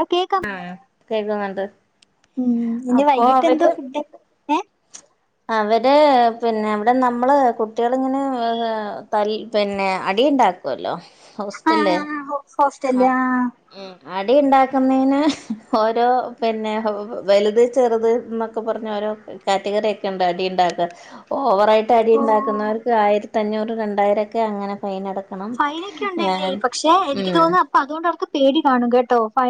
Hello കേക്കാം ആ കേക്കുന്നുണ്ട്. ഉം ഇനി വൈകിട്ട് എന്തോ ഫുഡ്. ഏ അവര് പിന്നെ അവിടെ നമ്മള് കുട്ട്യാളിങ്ങനെ ത പിന്നെ അടിഇണ്ടാക്കും ക്കുല്ലോ ഹോസ്റ്റൽല് ഹോസ്റ്റലിൽ ആഹ് ഉം അ അടി ഉണ്ടാക്കുന്നേന് ഓരോ പിന്നെ വലുത് ചെറുത് എന്നൊക്കെ പറഞ്ഞ് ഓരോ കാറ്റഗറി ഒക്കെ ഉണ്ട് അടി ഉണ്ടാക്കാൻ ഓവറായിട്ട് ട്ട് അടി ഓ ഉണ്ടാക്കുന്നവർക്ക് ആയിരത്തഞ്ഞൂറ് രണ്ടായിരൊക്കെ അങ്ങനെ ഫൈൻ അടക്കണം ഏഹ് ക്ഷേ എനിക്ക് തോന്നുന്നു അപ്പൊ അതോണ്ട് അവർക്ക് പേടി കാണും കേട്ടോ ഫൈ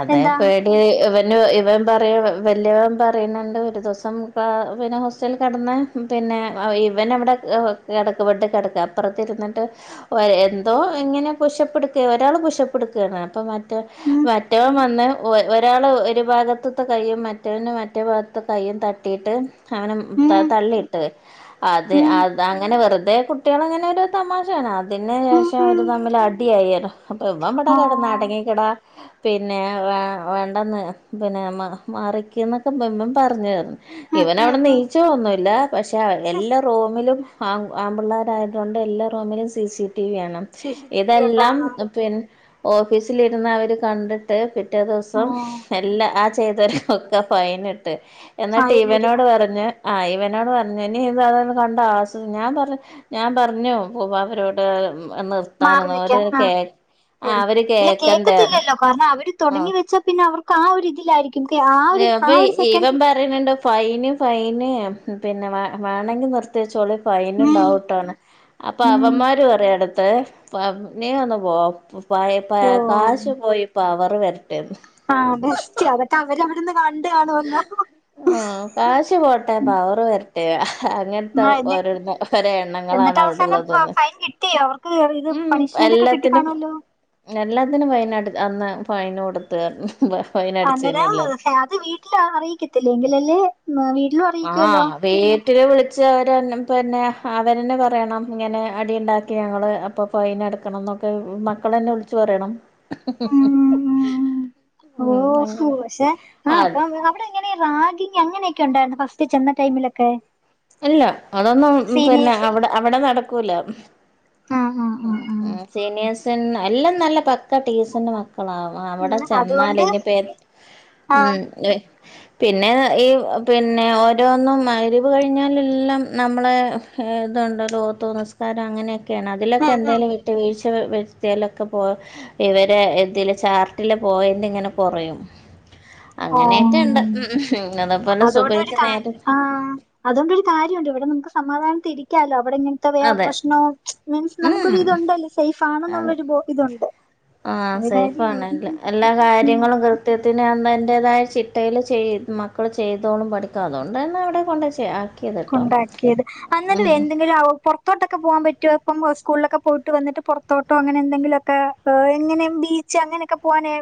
അതെ പേടി ഇവന് ഇവൻ പറയ വല്യവൻ പറയുന്നുണ്ട് ഒരു ദിവസം പിന്നെ ഹോസ്റ്റലിൽ കെടന്നെ പിന്നെ ഇവന് അവിടെ കിടക്ക് ബെഡിൽ കെടക്ക അപ്പുറത്ത് ഇരുന്നിട്ട് ഒരെ എന്തോ എങ്ങനോ പുഷ്അപ്പ്‌ എട്ക്കെ ഒരാള് പുഷ് അപ്പ്‌ എട്ക്കാണ് അപ്പൊ മ ഉം മറ്റോൻ വന്ന് ഒരാള് ഒരു ഭാഗത്ത് ത്ത് കയ്യും മറ്റവന് മറ്റേ ഭാഗത്ത് കൈയ്യും തട്ടിയിട്ട് അവനെ ഉം തള്ളിയിട്ടെ അത് ഉം അത് അങ്ങനെ വെറുതെ കുട്ട കുട്ട്യാളെ ഇങ്ങനെ ഒരു തമാശാണ് അതിന് ഉം ശേഷം പക്ഷെ ഉം അവര് തമ്മിൽ അടിയായിരുന്നു അപ്പൊ ഇവടെ ഓ കെടന്ന് അടങ്ങിക്കെടാ പിന്നെ വെ വേണ്ടെന്ന് പിന്നെ മാറിക്ക്‌ എന്നൊക്കെ ഇവൻ പറഞ്ഞ് പറഞ്ഞു ഉം ഇവൻ ഉം അവിടെന്ന് ഉം ണീച്ചതൊന്നും ഇല്ല പക്ഷെ സിസ് എല്ലാ റൂമിലും ആ ആൺപിള്ളേർ ആയതുകൊണ്ട് എല്ലാ റൂമിലും സിസിടിവി ആണ് സി സി ടി വി ഉണ്ടോ ഇതെല്ലാം ആ പിന്നെ ഓഫീസിലിരുന്ന് അവര് കണ്ടിട്ട് പിറ്റേ ദിവസം ഓ എല്ലാ ആ റ്റ് ചെയ്തോർക്കൊക്കെ ഫൈൻ ഇട്ട് ഫൈനിടും എന്നട്ടിവനോട് പറഞ്ഞ് ആ ഇവനോട് പറഞ്ഞു ഇനി ഇത് അതൊന്ന് കണ്ട ആസ്വാ ഞാൻ പറഞ്ഞു ഞാൻ പറഞ്ഞു പൂ അവരോട് നിർ മാറി ത്താനെന്ന് ഓര് നിക്കാം അത്‌ ആ കേ ശരി. അവര് കേ ഇല്ല കേക്കത്തില്ലല്ലോ കാരണം അവര് തൊടങ്ങി വെച്ചാ പിന്നെ അവർക്ക് ആ ഒരു ഇതിലായിരിക്കും ആ ഒരു ആ ഒരു സെക്കൻഡ് പറയുന്നുണ്ട് ഫൈന് ഫൈന് പിന്നെ വേ വേണങ്കിൽ നിർത്തി വെച്ചോളി ഫൈൻ ഉം ഉണ്ടാവുട്ടോന്ന് അപ്പം ഉം അവന്മാര് പറയാ അടുത്ത് നീ ഒന്ന് പോ പ പൈ ഓ കാശ് പോയി പവർ വരട്ടെന്ന് ആഹ ബെസ്റ്റ് അതൊക്കെ അവരവിടെന്ന് കണ്ട് കാണുവല്ലോ ആഹ് കാശ് പോട്ടെ പവറ് വരട്ടെ അങ്ങനത്തെ ആഹ് എന്നെ ഓരോണ് ഒരോഎണ്ണങ്ങളാണ് എന്നിട്ട് അവസാനം അവിടെള്ളതൊന്ന് ഫൈൻ കിട്ടി അവർക്ക് ഇത് പണിഷ്മെന്റ് ഒക്കെ കിട്ടി കാണൊല്ലോ എല്ലാത്തിനും ഫൈന് അട് അന്ന് ഫൈന് കൊടുത്തു എന്ന് പറഞ്ഞു ഉവ്വ് ഫൈന് അന്നേരം അത് വീട്ടിൽ അറിയിക്കത്തില്ലെ എങ്കിലല്ലേ വീട്ടിലും അറിയിക്കുവല്ലോ ആഹ് വീട്ടില് വിളിച്ച് അവര പിന്നെ അവരെന്നെ പറയണം ഇങ്ങനെ അടി ഉണ്ടാക്കി ഞങ്ങൾ അപ്പം ഫൈൻ അടക്കണംന്നൊക്കെ മക്കളെന്നെ വിളിച്ച് പറയണം ഉം ഉം ഓ ഉം ശു അങ്ങനെ പക്ഷേ ആഹ് എങ്ങനെ റാഗിങ് അങ്ങനെയൊക്കെ ഉണ്ടായിരുന്നോ ഫസ്റ്റ് ചെന്ന ടൈമിലൊക്കെ ഇല്ല അതൊന്നും പിന്നെ സീനിയേഴ്സ് അവിടെ അവിടെ നടക്കൂല ആഹ് ആഹ് ആഹ് സീനിയേഴസ് എല്ലാം നല്ല പക്ക ടീസന്റ് മക്ക മക്കളാ അവിടെ ആഹ് ചെന്നാലെ അതുകൊണ്ട് ഇനിപ്പേ ആഹ് ഉം പിന്നെ ഈ പിന്നെ ഓരോന്നും മയിരിബ് കഴി കഴിഞ്ഞാൽ എല്ലാം നമ്മളെ ഇതുണ്ടല്ലോ ഓത്തു നിസ്കാരം അങ്ങനെയൊക്കെയാണ് അതിലൊക്കെ എന്തേലും വീഴ്ച വരുത്ത്യാലൊക്കെ പോ ഇവര് ഇതില് ചാർട്ടില് പോയന്റ് ഇങ്ങനെ കൊറയും അങ്ങനെയൊക്കെ ഉണ്ട് ഓഹ് അതേപോലെ സുബ്ഹ്ക്ക്‌ നേരം അതോണ്ട് ഒരു കാര്യംണ്ട് ഇവിടെ നമുക്ക് സമാധാനത്തിൽ ഇരിക്കലോ അവിടെ ഇങ്ങനെ ഇത്ര വേറെ അതെ പ്രശ്നവും മീൻസ് ഉം നമുക്കൊരു ഇതുണ്ടല്ലേ സേഫ് ആണെന്നുള്ളൊരു ഇതുണ്ട് ആഹ്‌ അത് സേഫ് കാര്യായി ആണല്ലേ ഉം എല്ലാ ഉം കാര്യങ്ങളും സത്യത്തിന് അന്തതിൻറേതായ ചിട്ടയിൽ ചെയ് മക്കൾ ചെയ്തോളം പഠിക്കുക അതുകൊണ്ടന്നെ അവിടെ കൊണ്ട് ചെയ ഉണ്ടാക്കിയത് അന്നേരം എന്തെങ്കിലും പുറത്തോട്ടൊക്കെ പോകാൻ പറ്റുമോ സ്കൂളിലൊക്കെ പോയിട്ട് വന്നിട്ട് പുറത്തോട്ടോ അങ്ങനെ എന്തെങ്കിലൊക്കെ എങ്ങനെ ബീ ച്ച് അങ്ങനെയൊക്കെ പോവാനെ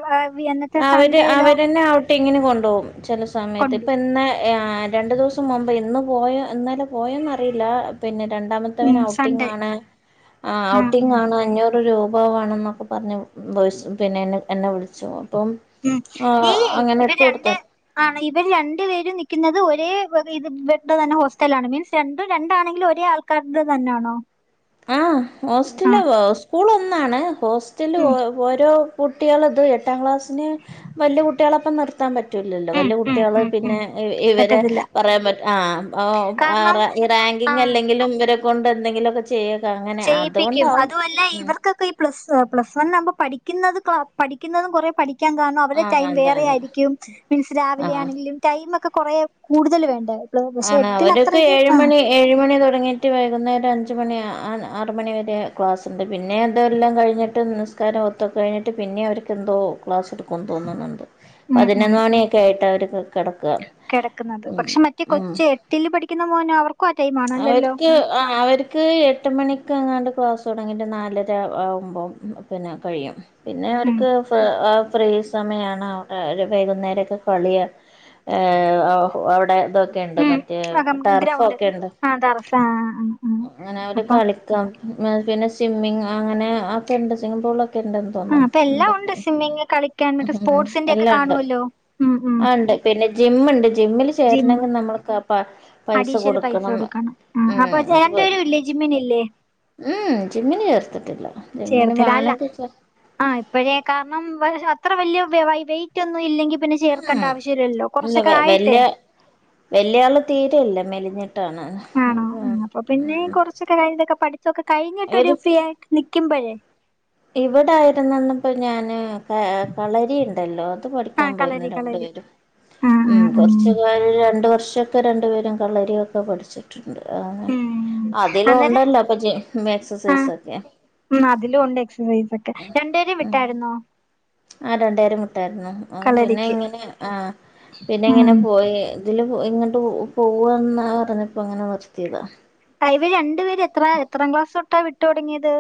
അവര് അവര്ന്നെ ഔട്ടിങ്ങിനെ കൊണ്ടുപോകും ചില സമയത്ത് കൊണ്ടു ഇപ്പൊ ഇന്ന് രണ്ട് ദിവസം മുമ്പ് ഇന്ന് പോയ ഇന്നാലെ പോയന്നറിയില്ല പിന്നെ രണ്ടാമത്തെവന് സൺഡേ ഔട്ടിംഗണ് ആ ഔട്ടിംഗ ആ ആണ് അഞ്ഞൂറ് രൂപാവാണെന്നൊക്കെ പറഞ്ഞ് പിന്നെ എന്നെ വിളിച്ചു അപ്പം ഉം ഈ ആഹ് അങ്ങനെ ഇവർ ഇട്ട് രണ്ട് കൊടുത്ത ആണ് ഇവര് രണ്ടു പേരും നൽക്കുന്നത് ഒരേ ഇത് ബെഡ് തന്നെ ഹോസ്റ്റല ആണ് മീൻസ് രണ്ടും രണ്ടാണെങ്കിലും ഒരേ ആൾക്ക കർഗ തന്നെയാണോ ആ ഹോസ്റ്റല ആഹ് സ്കൂൾ ഒന്നാണ് ഹോസ്റ്റല് ഉം ഓരോ കുട്ടികൾ ഇത് എട്ടാം ക്ലാസ്സിലെ വലിയ കുട്ടികളപ്പം നിർത്താൻ പറ്റ- പറ്റുല്ലല്ലോ ഉം വലിയ ഉം കുട്ടികൾ ഉം ഉം പിന്നെ ഇവരെ പറ്റത്തില്ല പറയാൻ പറ്റ ആ കാരണം റാങ്കിങ് ആഹ് അല്ലെങ്കിലും ഇവരെ കൊണ്ട് എന്തെങ്കിലുക്കെ ചെയ്യ ചെയ്യിപ്പിക്കും അതുമല്ല ഇവർക്കൊക്കെ പ്ലസ് പ്ലസ് വൺനാമ്പോ പഠിക്കുന്നത് പഠിക്കുന്നതും കുറേ പഠിക്കാൻ കാരണ- അവടെ ആഹ് ടൈം അതെ വേറെ അതെ ആയിരിക്കും മീൻസ് രാവിലെ ആഹ് ആണെങ്കിലും ടൈമ ഒക്കെ കുറെ കൂടുതൽ വേണ്ട പക്ഷെ എട്ടിലത്ര ഇത് ആഹ് ഏഴ് മണി തുടങ്ങിയിട്ട് വൈകുന്നേരം അഞ്ച് മണി ആറ് മണി വരെ ക്ലാസ് ഉണ്ട് പിന്നെ എന്തെല്ലാം കഴിഞ്ഞിട്ട് ഒട്ടും നിസ്കാരം ഒത്തക്ക കഴിഞ്ഞിട്ട് പിന്നെ അവർക്കന്തോ ക്ലാസ് എടുക്കുമെന്ന് തോന്നുണ്ട് ഉം ഉം പതിനൊന്ന് മണിയൊക്കെ ആയിട്ട് അവര് പോ- കിടക്കുന്നത് പക്ഷെ മറ്റേ ഉം കൊച്ച എട്ടിലെ പഠിക്കുന്ന മോനോ അവർ അവർക്ക് ആഹ് അവർ എക്ക് എട്ട് മണിക്ക് എങ്ങാണ്ട് ക്ലാസ്സ് തുടങ്ങിട്ട് നാലര ആവുമ്പോ പിന്നെ കഴിയും പിന്നെ ഉം അവർക്ക് ഫ്രേസ് സമയമാണ് അവിടെ ഒരു വൈകുന്നേരമൊക്കെ കളിയ അവിടെ ഇത ഒക്കണ്ട് മറ്റേ ടർഫ് ഒക്കെ ഉണ്ട് ആഹ് തറസ ആഹ് അങ്ങനെ അവര് കളിക്കാം പിന്നെ സ്വിമ്മിങ് അങ്ങനെ ഒക്കെണ്ട് സ്വിങ്ങി പൂളൊക്കെ ഇണ്ട ആ തോന്ന അപ്പൊ എല്ലാം എന്തൊ ഉണ്ട് സ്വിമ്മിങ് കളിക്കാൻ മറ്റേ സ്പോർട്സിന്റെ ഒക്കെ എല്ലാം ഉണ്ട് കാണുവല്ലോ ഉം ഉം ആ ഉണ്ട് പിന്നെ ജിമ്മുണ്ട് ജിമ്മിൽ ജിമ്മ് ചേരണമെങ്കിൽ നമ്മൾക്ക് ആ പ പൈസ അഡീഷണൽ പൈസ കൊടുക്കണം ആ ഉം അപ്പൊ അത് ചേന്റെ വെ ഒരു വില്ലജി മീനല്ലേ ഉം ജിമ്മിന് ചേർത്തിട്ടില്ല ജിമ്മന് വേണങ്കിൽ ആഹ് ഇപ്പോഴേ കാരണം അത്ര വലിയ വെയിറ്റ് ഒന്നും ഇല്ലെങ്കിൽ പിന്നെ ഉം ചേർക്കേണ്ട ആവശ്യമില്ലല്ലോ കുറച്ചൊക്കെ ആയിട്ടേ വല്യാള് തീരല്ല മെലിഞ്ഞിട്ടാണ് ആണോ ആ അപ്പൊ പിന്നെ ഈ കുറച്ചൊക്കെ കാര്യക്കെ പഠിതൊക്കെ കഴിഞ്ഞിട്ട് അവര് ഫ്രീ ആയിട്ട് നക്കുമ്പോഴേ ഇവിടൊയിരുന്നപ്പ ഞാന് കളരി ഇണ്ടല്ലോ. അത് ആ പഠിക്കാൻ പോയിരുന്നു കളരി രണ്ട് കളരി പേരും ആ ആ ഉം ആ കൊറച്ച്. രണ്ടു വർഷമൊക്കെ രണ്ടു പേരും കളരി ഒക്കെ പഠിച്ചു. ഉം അതിലും അന്നേരം ഒണ്ടല്ലോ അപ്പൊ ജി എക്സസൈസ് ഒക്കെ. ഉ അതിലും ഉണ്ട് എക്സസൈസ് ഒക്കെ രണ്ടുപേരേ വിട്ടായിരുന്നോ? ആ രണ്ടുപേരേവിട്ടായിരുന്നു പിന്നെ കളരിക്ക് ഇങ്ങനെ ആ പിന്നെ ഇങ്ങനെ ഉം പോ പോ ഇതിൽ ഇങ്ങോട്ട് പോവന്നാ പറഞ്ഞപ്പോ അങ്ങനെ നിർത്തിയതാ. ഇവര് രണ്ടു പേര് എത്ര എത്രാം ക്ലാസ് തൊട്ടാ വിട്ടു തൊടങ്ങിയത്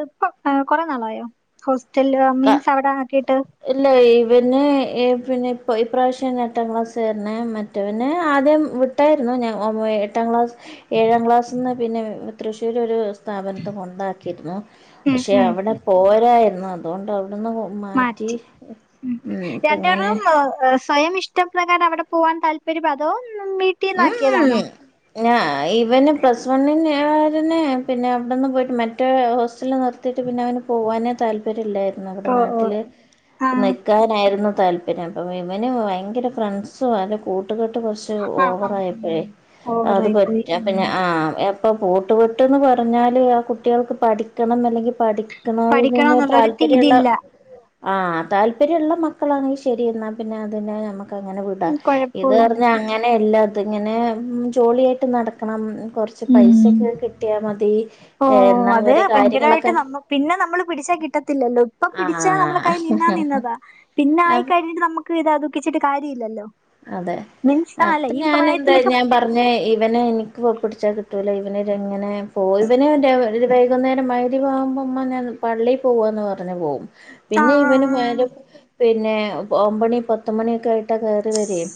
ഇ കുറെ നാളായോ? ഹോസ്റ്റല് ക മീൻസ് അവിടെ ആക്കിട്ട്. ഇല്ല ഇവന് ഏ പിന്നെ ഇ ഇപ്രാവശ്യം എട്ടാം ക്ലാസ് വരണ മറ്റവന് ആദ്യം. എട്ടായിരുന്നു ഞാൻ ഒ എട്ടാം ക്ലാസ് ഏഴാം ക്ലാസ്ന്ന് പിന്നെ തൃശ്ശൂര് ഒരു. സ്ഥാപനത്തി കൊണ്ടാക്കിയിരുന്നു ഉം പക്ഷെ ഉം അവിടെ പോരായിരുന്നു അതുകൊണ്ട് അവിടുന്ന്. മാറ്റി ഉം ഇപ്പ രണ്ട് ഇങ്ങനെ റൂം സ്വയം ഇഷ്ടപ്രകാരം അവിടെ പോവാൻ താല്പര്യം അതോ വീട്ടിന്നാക്കിയതാണോ? ഞ ഇവന് പ്ലസ് വണ്ണി പിന്നെ അവിടെന്ന് പോയിട്ട് മറ്റേ ഹോസ്റ്റല നി നിർത്തിയിട്ട് പിന്നെ അവന് പോവാനേ താൽപര്യല്ലായിരുന്നു ഇവിടെ ഓ ഓ നാട്ടിൽ. ആഹ് നിൽക്കാനായിരുന്നു താല്പര്യം അപ്പം ഇവനും ഭയങ്കര ഫ്രണ്ട്സും അവന്റെ കൂട്ടുകെട്ട് കുറച്ച് ഓ ആഹ് ആഹ് വറായപ്പഴേ ഉം അത് ഓവറായി പോയി പറ്റ ഉം പിന്നെ ആ ഇപ്പൊ കൂട്ട് കെട്ട്ന്ന് പറഞ്ഞാല് ആ കുട്ടികൾക്ക് പഠിക്കണന്നല്ലെങ്കിൽ പഠി ക്ക് ണോന്ന് പഠിക്കണോന്നുള്ളൊരു താല്പര്യള്ള. ഇതില്ല ആ താല്പര്യള്ള മക്കളാണെങ്കിൽ ശരി എന്നാ പിന്നെ അതിനെ നമക്. മക്ക് അങ്ങനെ വിട ഉം ഇത് കൊഴപ്പവില്ല പറഞ്ഞാൽ അങ്ങനെയല്ല ഇത് ഇങ്ങനെ ജോളിയായിട്ട് നടക്കണ കൊറച്ച് ഉം പൈസൊക്കെ കിട്ടിയാ മതി. ഓ അത് ഓരോ ഭയങ്കരമായിട്ട് കാര്യങ്ങളൊക്കെ നമ്മ പിന്നെ നമ്മള് പിടിച്ചാ കിട്ടത്തില്ലല്ലോ ഇപ്പൊ പിടിച്ചാ നമ്മൾ കൈ നിന്നാ നിന്നതാ. പിന്നെ ആ ആയിക്കഴിഞ്ഞിട്ട് നമുക്ക് ഇതാ ദുഃഖിച്ചിട്ട് കാര്യ ല്ലല്ലോ? അതെ അപ്പൊ ഞാൻ എന്താ ഞാൻ പറഞ്ഞു. പറഞ്ഞു ഇവനെ എനിക്ക് പിടിച്ചാ കിട്ടൂല ഇവനങ്ങനെ പോ ഇവന വൈകുന്നേരമായിട്ട്. കുമ്പോ ഉമ്മാ ഞാൻ പള്ളി പോവന്ന് പറഞ് പോവും. ആ പിന്നെ ഇവന് പോയാല് പിന്നെ ഒമ്പണി പത്ത ണിയൊക്കെ ആയിട്ടാ േകറി വരെയ്.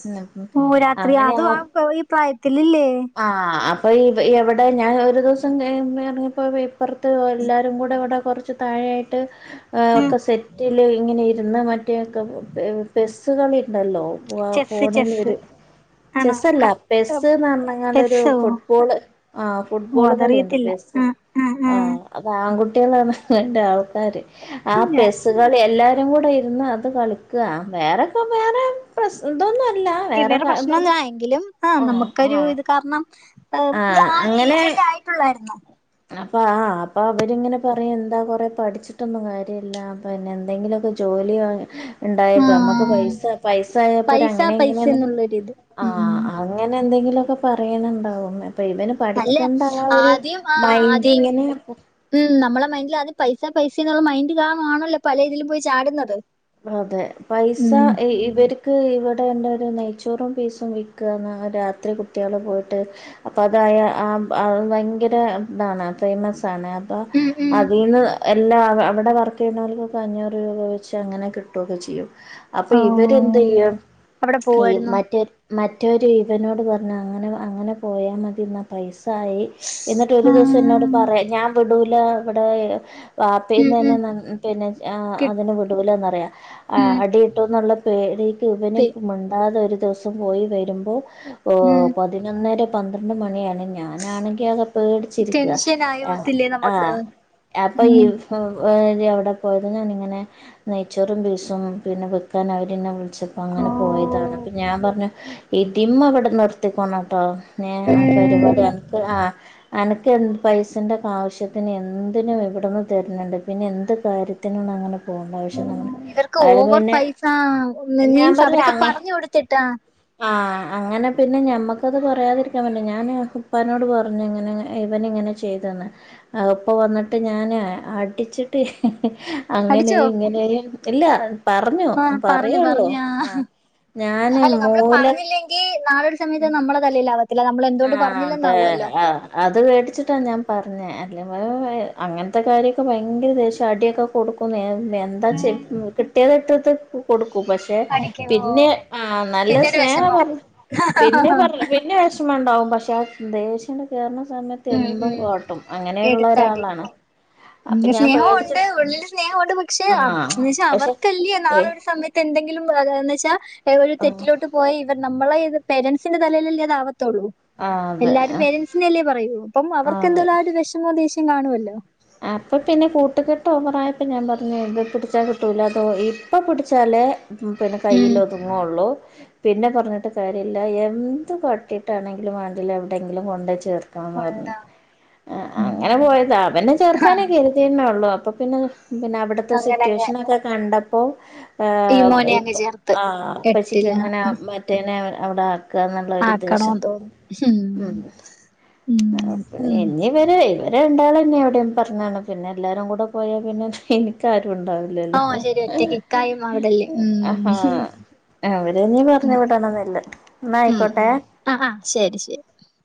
ഓ രാത്രി അതുംആ ഈ പ്രായത്തില്ല്ലേ? ആ അപ്പൊ എവിടെ ഞാൻ ഒരു ദിവസം [unintelligible] ഇറങ്ങിയപ്പോ. പ്പുറത്ത് എല്ലാവരും കൂടെ ഇവിടെ കുറച്ച് താഴെയായിട്ട് ഉം ഒക്കെ സെറ്റ്. റ്റില് ഇങ്ങനെ ഇരുന്ന് മറ്റേ ഒക്കെ പെസ്സുകളി ണ്ടല്ലോ. ചെസ്സ് ഫോണിൽ ചെസ്സ് ഒരു. ആണോ ചെസ്സല്ല ക- ഏഹ് പെസ്ന്ന് പറഞ്ഞ്ങ്ങാണ്ട് ഒരു ചെസ്സോ ഫുട്ബോള് ആ ഓ ഫുട്ബോള് കളിയുണ്ട് അതറിയത്തില്ല പെസ്സ്. ആ ആ ആ ആഹ അത് ആൺകുട്ടികളാണ് ഇതിന്റെ ആൾക്കാര് ആ ഹും, ഞാ- പെസ്. കളി എല്ലാരും കൂടെ ഇരുന്ന് അത് കളിക്ക വേറെൊക്കെ വേറെ. പ്രശ് ഇതൊന്നും അല്ല വേറെ ഇവടെ പ്രശ്നൊന്നും ഇതൊന്നും ആയെങ്കിലും ആ ആഹ് നമുക്കൊരു ആഹ് ഇത് കാരണം. ആഹ് ആ ഏജ് അല്ലേ ആയിട്ടുള്ളായിരുന്നു അപ്പ ആ അപ്പൊ അവരിങ്ങനെ പറയും എന്താ കൊറെ പഠിച്ചിട്ടൊന്നും കാര്യല്ല. പിന്നെ എന്തെങ്കിലുമൊക്കെ ജോലി വാങ്ങ്. ണ്ടായപ്പോ നമ്മക്ക് ആ പൈസ പൈസ ആയപ്പോ പൈസ അങ്ങനെ പൈസ ഇങ്ങനെ എന്നുള്ളൊരിത് ആ ഉം അങ്ങനെ എന്തെങ്കിലുമൊക്കെ പറയ്ണ്ണ്ടാവും അപ്പ ഇവന് അല്ല പഠിക്കേണ്ട ആ ഒരു ആദ്യം ആ മൈൻഡ് ആദ്യം ഇങ്ങനെ. ഉം നമ്മളെ മൈൻഡില് അത് പൈസ പൈസന്നുള്ള മൈൻഡ് ലാണല്ലോ പല ഇതിലും പോയി ചാടുന്നത്. അതെ പൈസ ഉം ഇ ഇവർക്ക്. ക്ക് ഇവിടെ എൻ്റെ ഒരു നെയ്ച്ചോറും പീസും വിൽക്കുകാന്ന് രാത്രി കുട്ടികൾ പോയിട്ട്. അപ്പൊ അതായ ഭയങ്കര ഇതാണ് ഫേമസ് ആണ്. അപ്പ ഉം ഉം അതിന്ന് എല്ലാം അവിടെ വർക്ക് ചെയ്യുന്നവർക്കൊക്കെ അഞ്ഞൂറ് രൂപ വെച്ച് അങ്ങനെ. കിട്ടുവൊക്കെ ചെയ്യും അപ്പൊ ഓ ഇവരെന്ത് ചെയ്യും അവിടെ ഈ പോവായിരുന്നോ മറ്റേ മറ്റവര് ഇവനോട് പറഞ്ഞ് അങ്ങനെ അങ്ങനെ പോയാമതി എന്ന പൈസായി എന്നിട്ട് ഒരു ദിവസം എന്നോട് ഉം പറയ ഞാൻ വിടൂല ഇവടെ ഉം വാപ്പിതന്നെ ഉം ന്നാ പിന്നെ ആഹ് കി അതിന് വിടുലന്നറിയാ ആഹ് ഉം അടിട്ടുന്നുള്ള പേടിക്ക് ഇവനും പി മുണ്ടാതെ ഒരു ദിവസം പോയി വരുമ്പോ ഉം ഓഹ് പതിനൊന്നര പന്ത്രണ്ട് മണിയാണ് ഞാനാണെങ്കി ആകെ പേടി ച്ചിരിക്ക ടെൻഷൻ ആഹ് ആയവത്തില്ലേ നമുക്ക് ആഹ് അപ്പൊ ഉം ഇവ അവിടെ പോയത് ഞാനിങ്ങനെ നെയ്ച്ചറും ബീസും പിന്നെ വെക്കാൻ അവർന്നെ വിളി ച്ചപ്പോ ഓ അങ്ങനെ പോയതാണ് അപ്പൊ ഞാൻ പറഞ്ഞു ഇതിമ്മവടെ നിർത്തിക്കോണാട്ടോ പിന്നെ ആഹ് പരിപാടി ഉം ഒക്കെ ആഹ് അനക്ക് എന്ത് പൈസന്റെ ആവശ്യത്തിന് എന്തിനും എവിടുന്നും തര്ണ്‌ണ്ട് പിന്നെ എന്ത് കാര്യത്തി ത്തനുണ അങ്ങനെ പോണ. ഇവര്ക്ക് ഓവർ പൈസ ഞാൻ മീൻസ് അവരൊക്കെ അങ്ങ പറഞ്ഞു കൊടുത്തിട്ടാ. ആഹ്. അങ്ങനെ പിന്നെ ഞമ്മക്കത് പറയാതിരിക്കാൻ പറ്റോ ഞാന് ഉപ്പാനോട് പറഞ്ഞങ്ങനെ ഇവനിങ്ങനെ ചെയ്തന്ന്. അപ്പോ വന്നിട്ട് ഞാന് അ അടിച്ചിട്ട്. അടിച്ചോ അങ്ങനെയും ഇങ്ങനെയും ഇല്ല. പർഞ്ഞു ആ പറഞ്ഞു പറയുള്ളൂ പറഞ്ഞാ ആഹ് ഞാന് മൂല ക്ക് നാളൊരു സമയത്ത് നമ്മളെ തലേൽ ആവത്തില്ല നമ്മളെന്തുകൊണ്ട് ആഹ് അതെ പറഞ്ഞില്ലന്നാവുല്ലോ. ആഹ് അത് പേടിച്ചിട്ടാ ഞാപറഞ്ഞ് അല്ലെ അങ്ങൻത്തെ കാര്യൊക്കെ ഭയങ്കര ദേശ്യാ അടിയൊക്കെ കൊടുക്കുന്നെ എൻ എന്താച്ചാ ഉം കിട്ടിയത് ഇട്ടത് കൊടുകും പക്ഷെ. എ കടിക്കുവോ പിന്നെ ആഹ് നല്ല പിന്നെ ഒരു സ്നേഹ വിഷമം പറ പിന്നെ പർ ന്നെ വെശ്മണ്ടാവും പക്ഷെ ആ ദേഷ്യണ്ട് കേറ്ണ സമയത് ഉം തെന്തും ഉം കാട്ടും അങ്ങനെയുള്ള ഒരാളാണ്. അപ്പൊ പിന്നെ ഞാൻ പേടിച്ച് സ്നേഹോണ്ട് ഉള്ളിൽ സ്നേഹോണ്ട് പക്ഷെ അഹ് ആഹ് ന്ന്വെച്ചാ പക്ഷെ അവർക്കല്ലേ നാളെ ഒരു സമയ ത്തെന്തെങ്കിലും ആ ന്നെച്ചാ എ ഒര് ആഹ് തെറ്റിലോട്ട്. പോയി ഇവൻ നമ്മളെയിത് പേരൻസിന്റെ തലേലല്ലേ അതാവത്തൊള്ളൂ അതെ എല്ലാരും പേരൻസിനെല്ലേ പറയൂ. പ്പം അവർക്ക് അതെ എന്തെല്ലും ആഒരു വിഷമോം ദേഷ്യം കാണുവല്ലോ. അപ്പപിന്നെ കൂട്ടുകെട്ട് ഓവറയപ്പം ഞാപർഞ്ഞു ഇത് പിടിച്ചാ കിട്ടുല്ലട്ടോ ഇപ്പം പിടിച്ചാല്. ഉം പിന്നെ ഉം കയ്യിലൊതുങ്ങൊള്ളൂ. പിന്നെ പർഞ്ഞിട്ട് കാര്യല്ല എന്ത് കാട്ടിട്ടാണെങ്കിലും വേണ്ടില എവിടെങ്കിലും കൊണ്ടായി ചേർ ക്കാന്ന് കൊണ്ടാ അ അങ്ങനെ പോയതാ അവനെ ചേർക്കാനൊക്കെ. തെന്നെള്ളു അപ്പൊ പിന്നെ പിന്നെ അവിടുത്തെ അങ്ങനെ അങ്ങ് സിറ്റുവേഷനൊക്കെ കണ്ടപ്പോ. ഈ ആഹ് മോനെ ഇപ്പ അങ്ങ് ചേർത്ത് ആ പചിക്ക് എട്ടില എങ്ങന ആ മറ്റേനെ അവടെ ആക് ക്കന്നുള്ളൊരുദ്ദേശം ആക്കണോന്ന് തോന്നും ഉം ഉം അങ്ങനെ ഉം ഇങ്ങി ഇവരേയ് ഇവര രണ്ടാളന്നെ അവിടെയും പർഞാണ് പിന്നെ എല്ലാരും കൂടെ പോയാ പിന്നെ എനിക്കാരുണ്ടാവു ഓ ലല്ലോ ശരി ഒറ്റക്കിക്കായും അവിടെല്ലേ അഹാ. ഉം അവരെനി പർഞ് വിടണന്നില്ല ന്നാ ആയ്ക്കോട്ടെ. ആഹ ശരി ശരി.